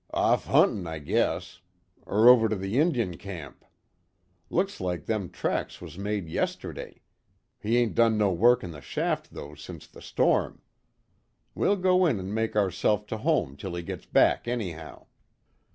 "Off huntin', I guess. Er over to the Injun camp. Looks like them tracks was made yesterday. He ain't done no work in the shaft though sence the storm. We'll go in an' make ourself to home till he gits back, anyhow.